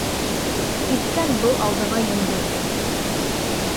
Һипкән был алдыңа йондоҙҙо!